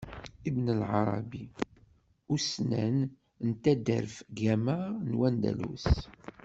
Ibn Ɛarabi; ussnan n taderfgama n wandalus.